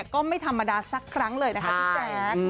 ก็ไม่ธรรมดาสักครั้งเลยนะคะพี่แจ๊ค